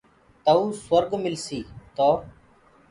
تئوٚ سُرگ ملسيٚ، تو